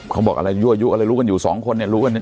เขาบอกอะไรยั่วยุอะไรรู้กันอยู่สองคนเนี่ยรู้กันเนี่ย